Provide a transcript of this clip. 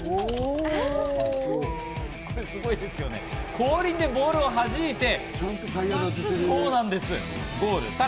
後輪でボールをはじいて、ゴールする。